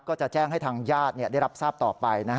ก็จะแจ้งให้ทางญาติได้รับทราบต่อไป